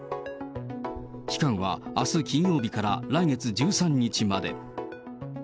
期間はあす金曜日から来月１３日まで。